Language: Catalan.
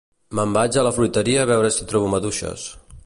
me'n vaig a la fruiteria a veure si trobo maduixes